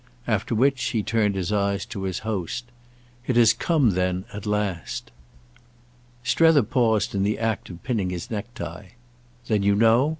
After which he turned his eyes to his host. "It has come then at last?" Strether paused in the act of pinning his necktie. "Then you know—?